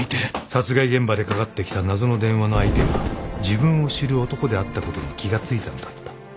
［殺害現場でかかってきた謎の電話の相手が自分を知る男であったことに気が付いたのだった］